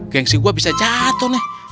gengsi gua bisa jatuh nih